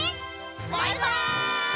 バイバイ！